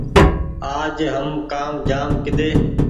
آج هم ڪآم جآم ڪيۮي